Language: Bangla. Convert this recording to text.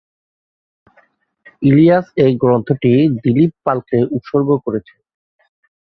ইলিয়াস এই গ্রন্থটি দিলীপ পালকে উৎসর্গ করেছেন।